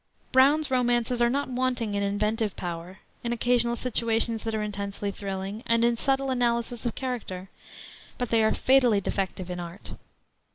Brown's romances are not wanting in inventive power, in occasional situations that are intensely thrilling, and in subtle analysis of character; but they are fatally defective in art.